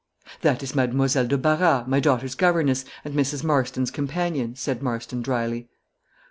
"That is Mademoiselle de Barras, my daughter's governess, and Mrs. Marston's companion," said Marston, drily.